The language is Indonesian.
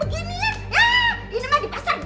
yah ini mah di pasar banyak